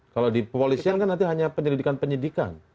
kalau di kepolisian kan nanti hanya penyelidikan penyidikan